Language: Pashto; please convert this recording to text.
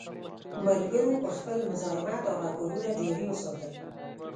ملګرو په خپل مزاحمت هغه کارونه جاري وساتل.